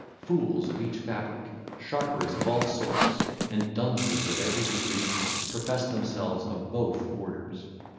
Fools of each fabric, sharpers of all sorts, and dunces of every degree, profess themselves of both orders.